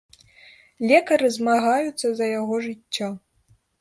Лекары змагаюцца за яго жыццё.